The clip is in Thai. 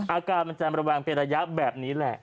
อาการมันจะระวังเป็นระยะแบบนี้แหละ